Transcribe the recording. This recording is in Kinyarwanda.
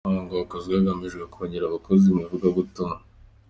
Uyu muhango wakozwe hagamijwe kongera abakozi mu ivugabutumwa.